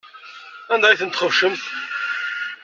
Anda ay tent-txebcemt?